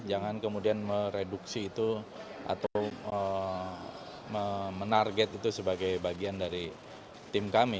jangan kemudian mereduksi itu atau menarget itu sebagai bagian dari tim kami